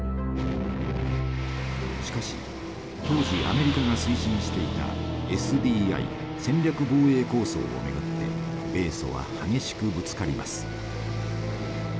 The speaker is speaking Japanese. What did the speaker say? しかし当時アメリカが推進していたＳＤＩ戦略防衛構想をめぐって米ソは激しくぶつかります。